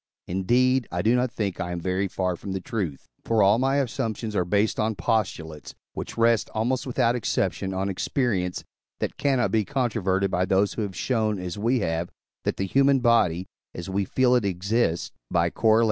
Indeed, I do not think I am very far from the truth, for all my assumptions are based on postulates, which rest, almost without exception, on experience, that cannot be controverted by those who have shown, as we have, that the human body, as we feel it, exists (Coroll.